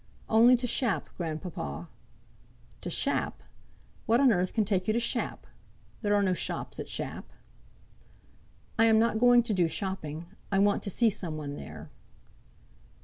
"Only to Shap, grandpapa." "To Shap! what on earth can take you to Shap? There are no shops at Shap." "I am not going to do shopping. I want to see some one there."